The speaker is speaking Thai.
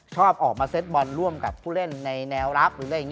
ชอบออกมาเซ็ตบอลร่วมกับผู้เล่นในแนวลักษณ์